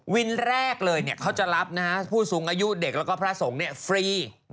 แรกเลยเขาจะรับผู้สูงอายุเด็กแล้วก็พระสงฆ์ฟรี